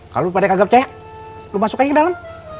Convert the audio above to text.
kalau lu pada kaget cek lu masuk aja ke dalam